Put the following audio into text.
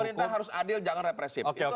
pemerintah harus adil jangan represif